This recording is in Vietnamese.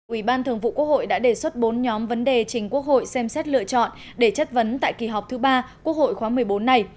ủy ban thường vụ quốc hội đã đề xuất bốn nhóm vấn đề chính quốc hội xem xét lựa chọn để chất vấn tại kỳ họp thứ ba quốc hội khóa một mươi bốn này